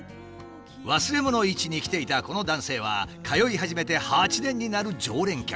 忘れ物市に来ていたこの男性は通い始めて８年になる常連客。